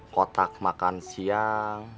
kotak makan siang